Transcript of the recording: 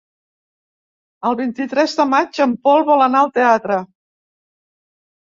El vint-i-tres de maig en Pol vol anar al teatre.